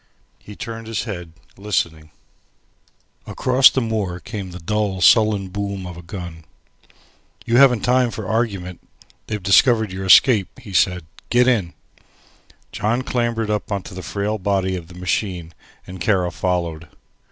He turned his head, listening. Across the moor came the dull sullen boom of a gun. "You haven't time for argument. They discovered your escape," he said. "Get in." John clambered up into the frail body of the machine and Kara followed.